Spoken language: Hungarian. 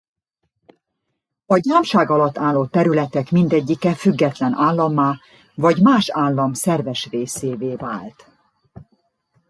A gyámság alatt álló területek mindegyike független állammá vagy más állam szerves részévé vált.